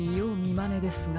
まねですが。